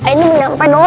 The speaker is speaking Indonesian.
ini menyangkai doang